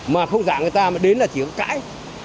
mà không giả người ta mà đến là chỉ có cãi